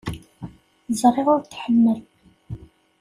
Ẓriɣ ur t-tḥemmel.